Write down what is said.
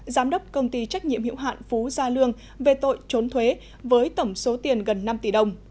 giám đốc công ty trách nhiệm hiệu hạn phú gia lương về tội trốn thuế với tổng số tiền gần năm tỷ đồng